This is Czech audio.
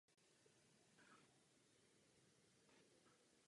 Sídlí zde rovněž Evropský hospodářský a sociální výbor a Výbor regionů.